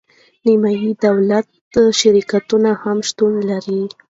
نیمه دولتي شرکتونه هم شتون لري.